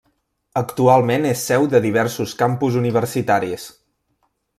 Actualment és seu de diversos campus universitaris.